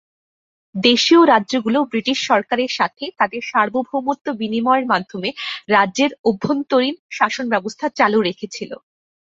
দেশীয় রাজ্যগুলো ব্রিটিশ সরকারের সাথে তাদের সার্বভৌমত্ব বিনিময়ের মাধ্যমে রাজ্যের অভ্যন্তরীণ শাসন ব্যবস্থা চালু রেখেছিল।